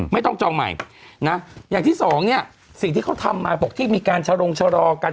ไม่ต้องจองใหม่อย่างที่สองสิ่งที่เขาทำมาบอกที่มีการชะลงชะลอกัน